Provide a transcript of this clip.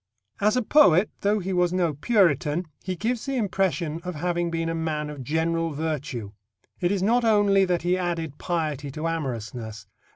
As a poet, though he was no Puritan, he gives the impression of having been a man of general virtue. It is not only that he added piety to amorousness.